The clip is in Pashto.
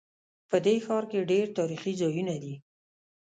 په دې ښار کې ډېر تاریخي ځایونه دي